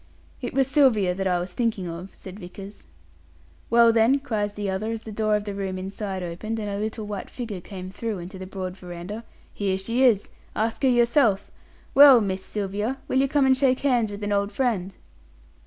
"It was Sylvia that I was thinking of," said Vickers. "Well, then," cries the other, as the door of the room inside opened, and a little white figure came through into the broad verandah. "Here she is! Ask her yourself. Well, Miss Sylvia, will you come and shake hands with an old friend?"